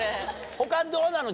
他どうなの？